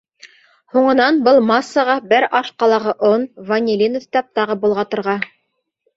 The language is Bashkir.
Һуңынан был массаға бер аш ҡалағы он, ванилин өҫтәп тағы болғатырға.